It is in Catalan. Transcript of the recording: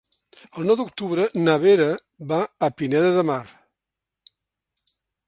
El nou d'octubre na Vera va a Pineda de Mar.